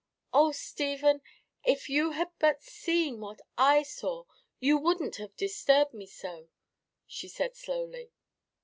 "Oh, Stephen, if you had but seen what I saw, you wouldn't have disturbed me so," she said slowly.